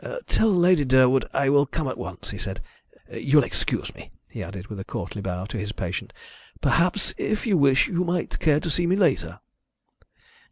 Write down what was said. "Tell Lady Durwood I will come at once," he said. "You'll excuse me," he added, with a courtly bow to his patient. "Perhaps if you wish you might care to see me later."